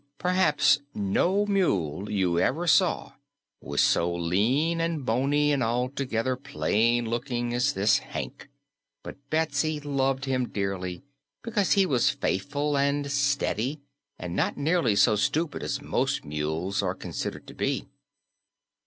Perhaps no mule you ever saw was so lean and bony and altogether plain looking as this Hank, but Betsy loved him dearly because he was faithful and steady and not nearly so stupid as most mules are considered to be.